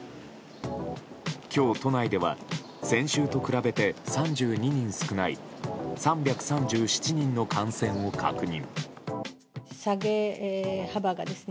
今日、都内では先週と比べて３２人少ない３３７人の感染を確認。